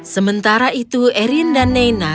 sementara itu erin dan naina